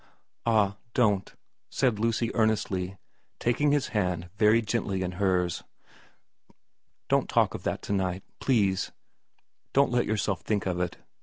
' Ah, don't,' said Lucy earnestly, taking his hand very gently in hers. ' Don't talk of that to night please don't let yourself think of it.